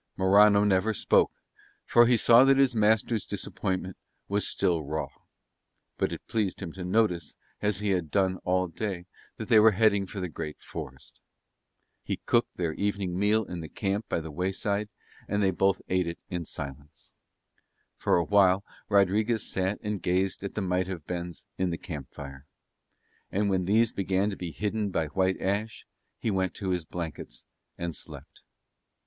Morano never spoke, for he saw that his master's disappointment was still raw; but it pleased him to notice, as he had done all day, that they were heading for the great forest. He cooked their evening meal in their camp by the wayside and they both ate it in silence. For awhile Rodriguez sat and gazed at the might have beens in the camp fire: and when these began to be hidden by white ash he went to his blankets and slept.